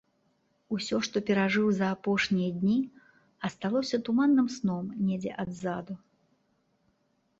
Усё, што перажыў за апошнія дні, асталося туманным сном недзе адзаду.